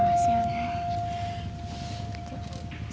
terima kasih anak